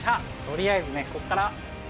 取りあえずねこっから。